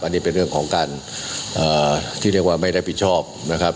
อันนี้เป็นเรื่องของการที่เรียกว่าไม่รับผิดชอบนะครับ